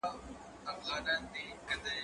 زه به سبا لاس پرېولم؟